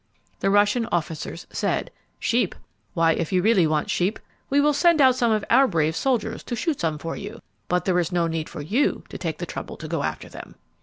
The Russian officers said: "Sheep? Why, if you really want sheep, we will send out some of our brave soldiers to shoot some for you; but there is no need for you to take the trouble to go after them!"